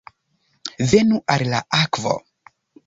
Venu al la akvo!